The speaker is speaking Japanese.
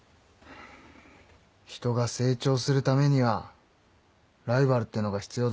人が成長するためにはライバルってのが必要だろ？